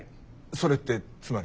それってつまり。